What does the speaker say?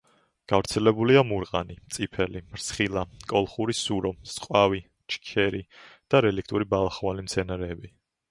გავრცელებულია მურყანი, წიფელი, რცხილა, კოლხური სურო, წყავი, შქერი და რელიქტური ბალახოვანი მცენარეები.